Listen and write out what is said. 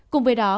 cùng với đó